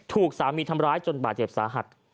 ถูกสามีทำร้ายจนบาดเจ็บสาหัส